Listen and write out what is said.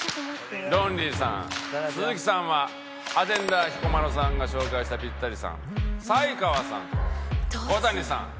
ロンリーさん鈴木さんはアテンダー彦摩呂さんが紹介したピッタリさん才川さんと小谷さん